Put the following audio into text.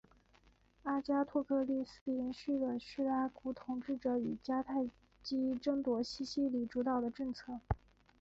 阿加托克利斯延续了叙拉古统治者与迦太基争夺西西里主导的政策。